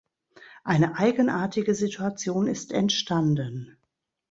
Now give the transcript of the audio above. Eine eigenartige Situation ist entstanden.